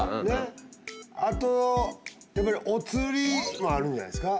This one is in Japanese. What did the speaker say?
あとやっぱりおつりもあるんじゃないですか。